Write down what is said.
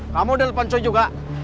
kamu ditelepon ncuy juga